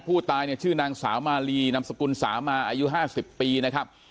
ผู้ตายเนี่ยชื่อนางสาวมาลีนามสกุลสามาอายุ๕๐ปีนะครับ